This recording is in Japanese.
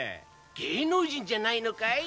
芸能人じゃないのかい？